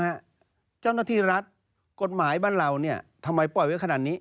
เจ้าหน้าที่รัฐกฎหมายบ้านเราเนี่ยทำไมปล่อยไว้ขนาดนี้